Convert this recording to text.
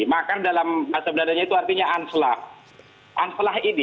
makar dalam asal benadanya itu artinya anselah